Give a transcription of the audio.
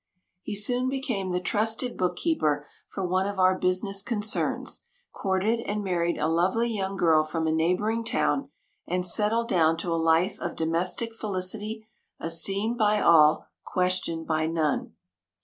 He soon became the trusted bookkeeper for one of our business concerns, courted and married a lovely young girl from a neighboring town, and settled down to a life of domestic felicity, esteemed by all, questioned by none.